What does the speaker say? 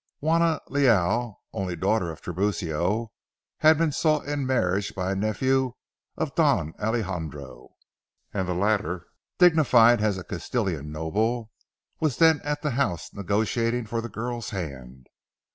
Juana Leal, only daughter of Tiburcio, had been sought in marriage by a nephew of Don Alejandro, and the latter, dignified as a Castilian noble, was then at the house negotiating for the girl's hand.